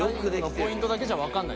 ポイントだけじゃわかんない。